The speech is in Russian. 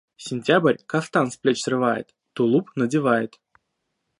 Сентябрь кафтан с плеч срывает, тулуп надевает.